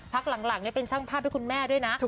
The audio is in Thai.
พักหลังเป็นช่างภาพให้คุณแม่ด้วยนะ